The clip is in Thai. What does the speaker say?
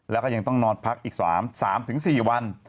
แล้วก็ยังต้องนอนพักอีก๓๔วัน